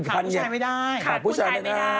ขาดผู้ชายไม่ได้